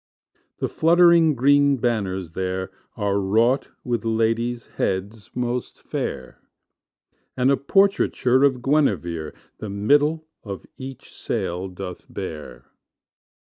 The fluttering green banners there Are wrought with ladies' heads most fair, And a portraiture of Guenevere The middle of each sail doth bear.